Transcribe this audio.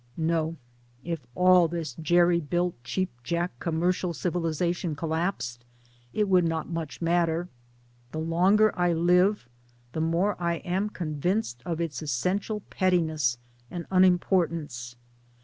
No, if all this jerry built cheapjack Commercial 1 Civilization collapsed it would not much matter. The longer I live the more I am convinced of its essential pettiness and unimportance.